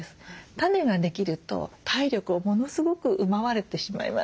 種ができると体力をものすごく奪われてしまいます。